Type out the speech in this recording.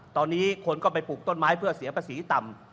ตอนนี้คนก็ไปปลูกต้นไม้เพื่อเสียภาษีต่ำ